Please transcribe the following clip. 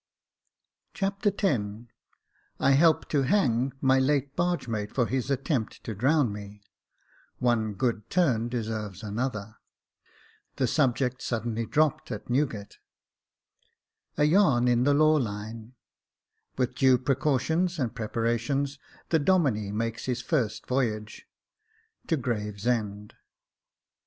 Chapter X I help to hang my late bargemate for his attempt to drown me — One good turn deserves another — The subject suddenly dropped at Newgate — A yarn in the law line — With due precautions and preparations, the Domine makes his first voyage — To Gravesend.